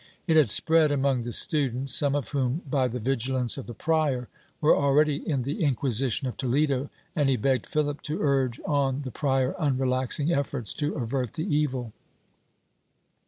It had spread among the students, some of whom, by the vigilance of the prior, were already in the Inquisition of Toledo, and he begged Philip to urge on the prior unrelaxing efforts to avert the evil.